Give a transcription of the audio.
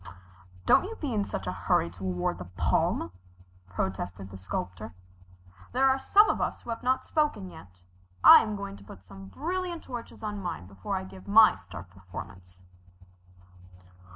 "Don't you be in such a hurry to award the palm," protested the Sculptor. "There are some of us who have not spoken yet. I am going to put some brilliant touches on mine before I give my star performance."